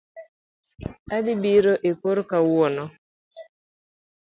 Adhi biro e kor kawuono